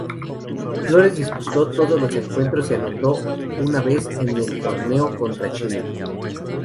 Flores disputó todos los encuentros y anotó una vez en el torneo contra China.